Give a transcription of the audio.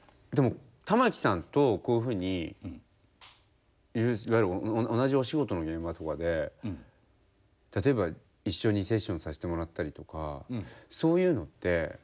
でも玉置さんとこういうふうにいわゆる同じお仕事の現場とかで例えば一緒にセッションさせてもらったりとかそういうのって